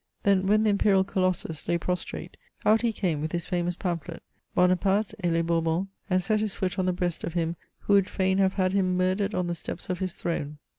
Then, when the imperial colossus lay prostrate, out he came with his famous pamphlet, Bonaparte et les Bourbons, and set his foot on the breast of him who would fain have had him murdered on the steps of his throne.